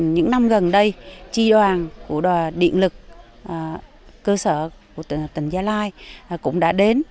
những năm gần đây tri đoàn của đoàn điện lực cơ sở của tỉnh gia lai cũng đã đến